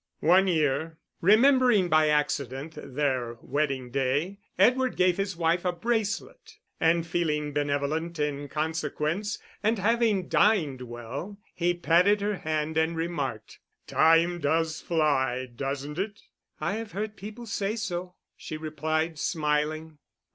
One year, remembering by accident their wedding day, Edward gave his wife a bracelet; and feeling benevolent in consequence, and having dined well, he patted her hand and remarked: "Time does fly, doesn't it?" "I have heard people say so," she replied, smiling.